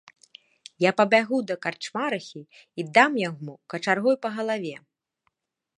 Я пабягу да карчмарыхі і дам яму качаргой па галаве!